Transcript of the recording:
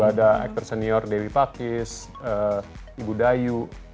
ada aktor senior dewi pakis ibu dayu